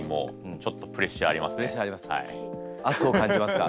圧を感じますか。